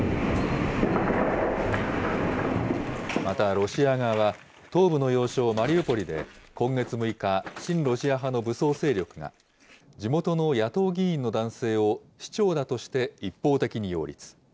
またロシア側は、東部の要衝マリウポリで今月６日、親ロシア派の武装勢力が、地元の野党議員の男性を市長だとして一方的に擁立。